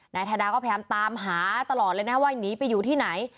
นายธดาก็พยายามตามหาตลอดเลยนะว่าหนีไปอยู่ที่ไหน